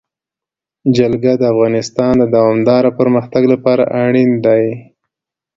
جلګه د افغانستان د دوامداره پرمختګ لپاره اړین دي.